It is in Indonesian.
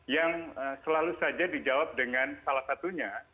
yang selalu saja dijawab dengan salah satunya